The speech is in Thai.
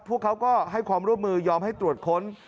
พวกเขาก็ให้ความร่วมมือยอมให้ตรวจค้น